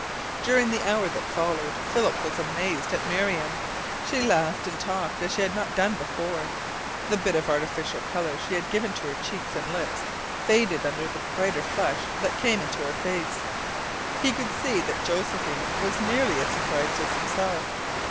During the hour that followed Philip was amazed at Miriam. She laughed and talked as she had not done before. The bit of artificial colour she had given to her cheeks and lips faded under the brighter flush that came into her face. He could see that Josephine was nearly as surprised as himself.